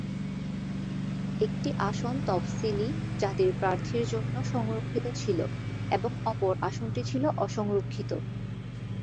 একটি আসন তফসিলি জাতির প্রার্থীদের জন্য সংরক্ষিত ছিল এবং অপর আসনটি ছিল অসংরক্ষিত।